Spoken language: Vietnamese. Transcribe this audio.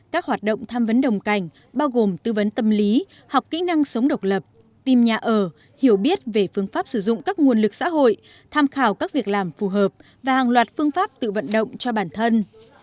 các hoạt động tham vấn đồng cảnh bao gồm tư vấn tâm lý học kỹ năng sống độc lập tìm nhà ở hiểu biết về phương pháp sử dụng các nguồn lực xã hội tham khảo các việc làm phù hợp và hàng loạt phương pháp tự vận động cho bản thân